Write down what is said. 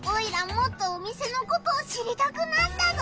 もっとお店のことを知りたくなったぞ！